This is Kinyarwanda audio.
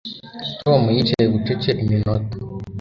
Tom yicaye bucece iminota